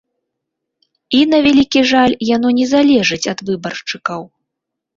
І, на вялікі жаль, яно не залежыць ад выбаршчыкаў.